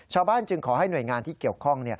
จึงขอให้หน่วยงานที่เกี่ยวข้อง